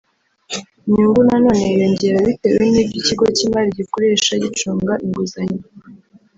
Inyungu na none yiyongera bitewe n’ibyo ikigo cy’imari gikoresha gicunga inguzanyo